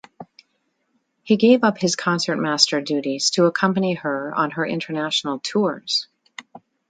He gave up his concertmaster duties to accompany her on her international tours.